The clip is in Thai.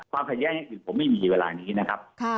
ความขยะนี้คือผมไม่มีเวลานี้นะครับ